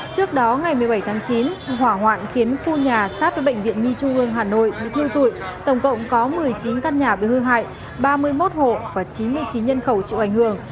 trước đó ngày một mươi bảy tháng chín hỏa hoạn khiến khu nhà sát với bệnh viện nhi trung ương hà nội bị thiêu dụi tổng cộng có một mươi chín căn nhà bị hư hại ba mươi một hộ và chín mươi chín nhân khẩu chịu ảnh hưởng